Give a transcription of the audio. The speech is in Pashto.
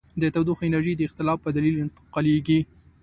د تودوخې انرژي د اختلاف په دلیل انتقالیږي.